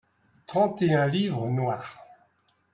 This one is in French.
trente et un livres noirs.